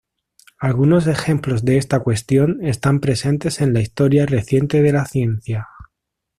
Algunos ejemplos de esta cuestión están presentes en la historia reciente de la ciencia.